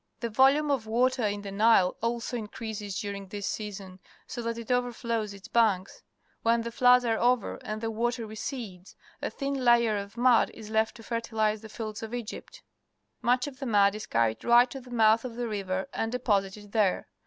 The volume of water in the Nile also increases during this season, so that it overflows its banks. ^Mien the floods are over and the water recedes, a thin layer of mud is left to fertilize the fields of Egypt. Much of the mud is carried right to the mouth of the river and deposited there.